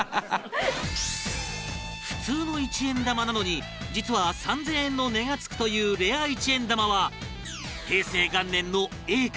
普通の一円玉なのに実は３０００円の値が付くというレア一円玉は平成元年のＡか？